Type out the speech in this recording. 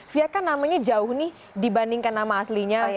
fia kan namanya jauh nih dibandingkan nama aslinya